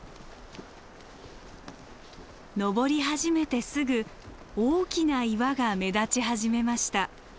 登り始めてすぐ大きな岩が目立ち始めました。